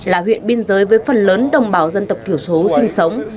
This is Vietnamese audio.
là huyện biên giới với phần lớn đồng bào dân tộc thiểu số sinh sống